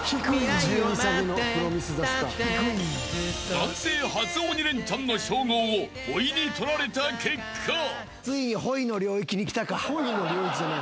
［男性初鬼レンチャンの称号をほいに取られた結果］ほいの領域じゃない。